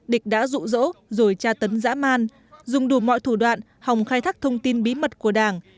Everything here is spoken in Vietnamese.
địch đã rụ rỗ rồi tra tấn dã man dùng đủ mọi thủ đoạn hòng khai thác thông tin bí mật của đảng